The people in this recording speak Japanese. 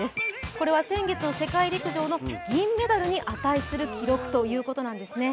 これは先月の世界陸上の銀メダルに値する記録ということなんですね。